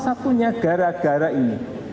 terlalu banyak peraturan di negara kita